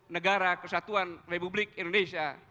negara kesatuan republik indonesia